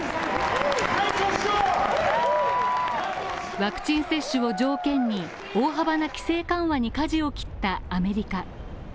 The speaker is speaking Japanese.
ワクチン接種を条件に、大幅な規制緩和にかじを切ったアメリカ。